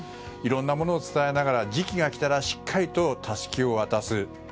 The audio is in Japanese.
いろんなものを伝えながら時期が来たらしっかりとたすきを渡す。